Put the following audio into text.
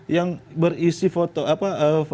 yang berisi foto apa